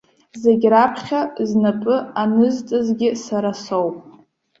Зегь раԥхьа знапы анызҵазгьы сара соуп.